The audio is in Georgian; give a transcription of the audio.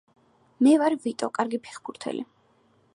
მე ვარ ვიტო კარგი ფეხბურთელი